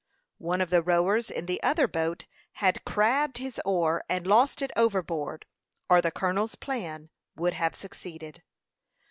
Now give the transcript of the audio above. One of the rowers in the other boat had "crabbed" his oar and lost it overboard, or the colonel's plan would have succeeded.